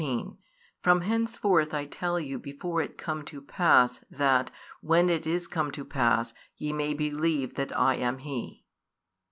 19 From henceforth I tell you before it come to pass, that, when it is come to pass, ye may believe that I am He.